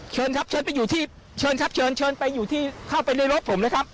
เชิญครับเชิญไปอยู่ที่เชิญครับเชิญเชิญไปอยู่ที่เข้าไปในรถผมเลยครับ